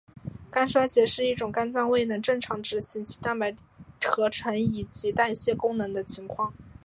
肝衰竭是一种肝脏未能正常执行其蛋白合成以及代谢功能的情况。